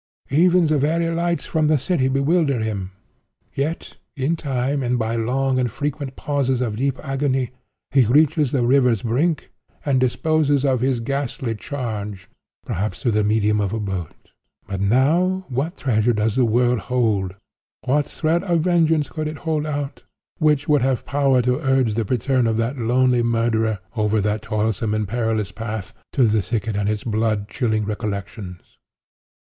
Even the very lights from the city bewilder him. Yet, in time and by long and frequent pauses of deep agony, he reaches the river's brink, and disposes of his ghastly charge—perhaps through the medium of a boat. But now what treasure does the world hold—what threat of vengeance could it hold out—which would have power to urge the return of that lonely murderer over that toilsome and perilous path, to the thicket and its blood chilling recollections?